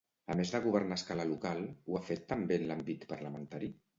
A més de governar a escala local, ho ha fet també en l'àmbit parlamentari?